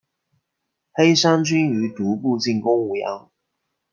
黑山军于毒部进攻武阳。